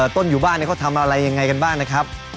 ต้นอยู่บ้านเขาทำอะไรยังไงกันบ้างนะครับ